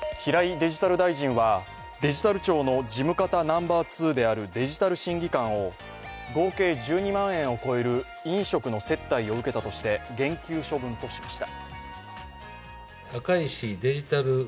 デジタル大臣は、デジタル庁の事務方ナンバー２であるデジタル審議官を合計１２万円を超える飲食の接待を受けたとして減給処分としました。